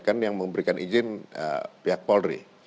kan yang memberikan izin pihak polri